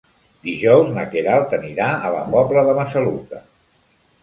Dijous na Queralt anirà a la Pobla de Massaluca.